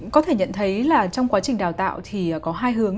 có thể nhận thấy là trong quá trình đào tạo thì có hai hướng